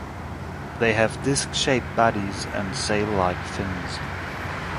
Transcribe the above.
They have disc-shaped bodies and sail-like fins.